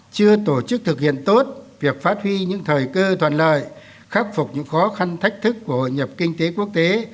chưa tổ chức thực hiện tốt việc phát huy những thời cơ thuận lợi khắc phục những khó khăn thách thức của hội nhập kinh tế quốc tế